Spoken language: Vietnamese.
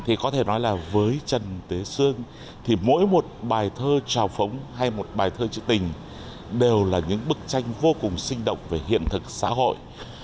thì có thể nói là với trần tế sương thì mỗi một bài thơ trào phóng hay một bài thơ chữ tình đều là những bức tranh vô cùng sinh động về hiện thực xã hội